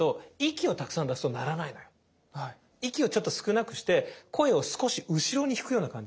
息をちょっと少なくして声を少し後ろに引くような感じ。